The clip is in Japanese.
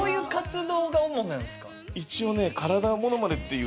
一応ね。